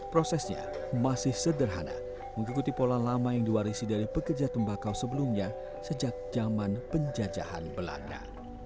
prosesnya masih sederhana mengikuti pola lama yang diwarisi dari pekerja tembakau sebelumnya sejak zaman penjajahan belanda